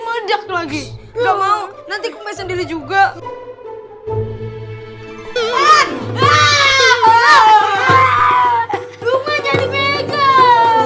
sedek lagi nggak mau nanti kembali sendiri juga ah ah rumah jadi pegang